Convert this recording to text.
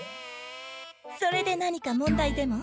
それで何か問題でも？